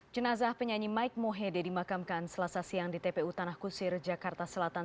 jenazah penyanyi mike mohede dimakamkan selasa siang di tpu tanah kusir jakarta selatan